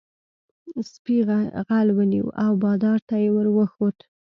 سپي غل ونیو او بادار ته یې ور وښود.